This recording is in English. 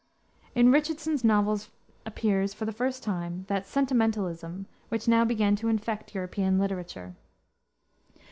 In Richardson's novels appears, for the first time, that sentimentalism which now began to infect European literature.